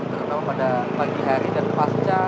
terutama pada pagi hari dan pasca